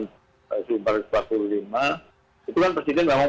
itu kan presiden memang punya kewenangan